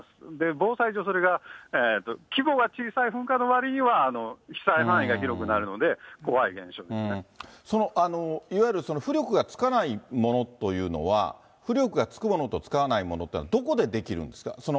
防災上、それが規模が小さい噴火のわりには、被災範囲が広くなるので、怖そのいわゆる浮力がつかないものというのは、浮力がつくものと、つかないものというのは、どこで出来るんですか。